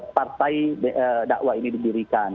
partai dakwah ini didirikan